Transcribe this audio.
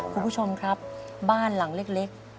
คุณผู้ชมครับบ้านหลังเล็ก